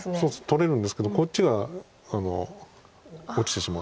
取れるんですけどこっちが落ちてしまうんです。